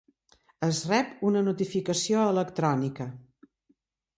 Es rep una notificació electrònica.